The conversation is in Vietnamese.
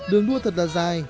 đường đua thật là dài